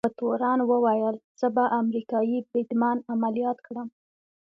یوه تورن وویل: زه به امریکايي بریدمن عملیات کړم.